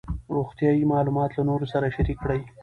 روغتیایي معلومات له نورو سره شریک کړئ.